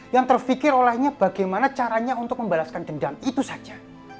yang terfikir olehnya bagaimana caranya untuk membalaskan dendam itu saja